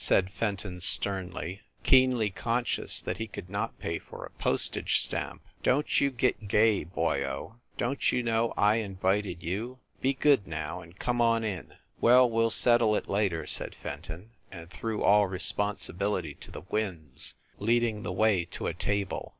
said Fenton sternly, keenly conscious that he could not pay for a postage stamp. "Don t you get gay, boyo ! Don t you know I in vited you? Be good, now, and come on in!" "Well, we ll settle it later," said Fenton, and threw all responsibility to the winds, leading the way to a table.